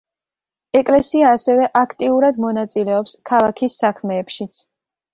ეკლესია ასევე აქტიურად მონაწილეობს ქალაქის საქმეებშიც.